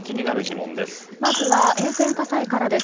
まずは沿線火災からです。